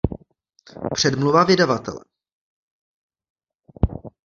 Předmluva vydavatele